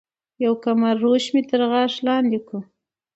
يو کمر روش مي تر غاښو لاندي کو